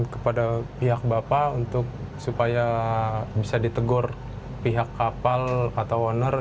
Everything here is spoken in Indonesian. kepada pihak bapak untuk supaya bisa ditegur pihak kapal atau owner